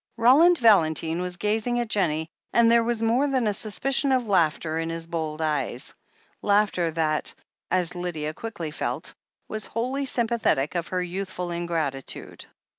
Roland Valentine was gazing at Jennie, and there was more than a suspicion of laughter in his bold eyes — laughter that, as Lydia quickly felt, was wholly sympathetic of her youthful ingratitude.